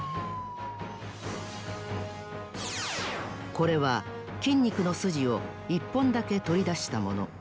これは筋肉のスジを１ぽんだけとりだしたもの。